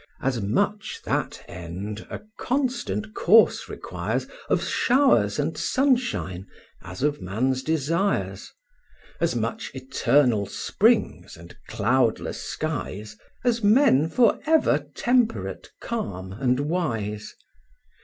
As much that end a constant course requires Of showers and sunshine, as of man's desires; As much eternal springs and cloudless skies, As men for ever temperate, calm, and wise.